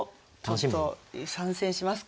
ちょっと参戦しますか？